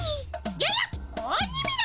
ややっ子鬼めら！